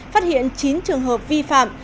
phát hiện chín trường hợp vi phạm